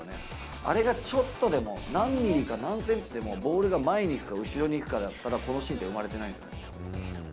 あれがちょっとでも、何ミリか何センチでも、ボールが前に行くか後ろに行くかだったらこのシーンって生まれてないんです。